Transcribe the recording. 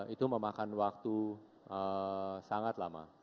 itu memakan waktu sangat lama